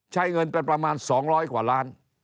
ใช้เงินเป็นประมาณ๒๐๐กว่าล้าน